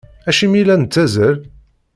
Acimi i la nettazzal?